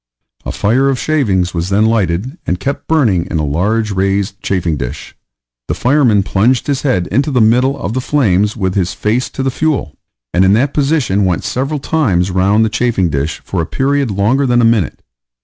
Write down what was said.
A fire of shavings was then lighted, and kept burning in a large raised chafing dish; the fireman plunged his head into the middle of the flames with his face to the fuel, and in that position went several times round the chafing dish for a period longer than a minute.